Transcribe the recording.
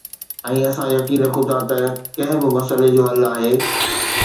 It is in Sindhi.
۽ اسان يقين رکون ٿا ته ڪنهن به مسئلي جو حل آهي